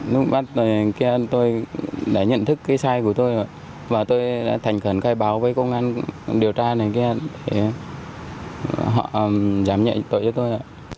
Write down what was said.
lúc bắt tôi tôi đã nhận thức cái sai của tôi rồi và tôi đã thành khẩn khai báo với công an điều tra này kia để họ giám nhận tội cho tôi